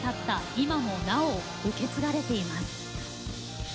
今も、なお受け継がれています。